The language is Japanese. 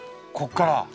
ここから？